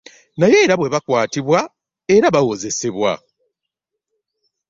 Naye era bwe bakwatibwa era bawozesebwa .